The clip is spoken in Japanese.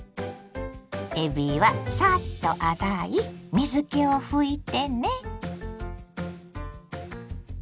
えびはサッと洗い水けを拭いてね。